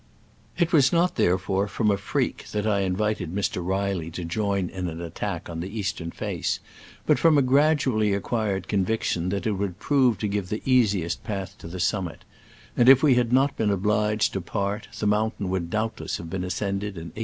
It was not therefore from a freak that I invited Mr. Reilly to join in an attack upon the eastern face, but from a grad ually acquired conviction that it would prove to give the easiest path to the summit ; and if we had not been obliged to part the mountain would doubtless have been ascended in 1864.